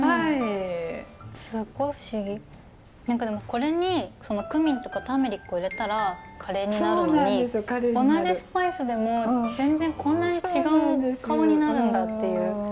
すっごい不思議何かでもこれにクミンとかターメリックを入れたらカレーになるのに同じスパイスでも全然こんなに違う顔になるんだっていう。